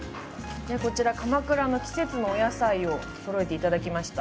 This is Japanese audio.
こちら鎌倉の季節のお野菜をそろえていただきました。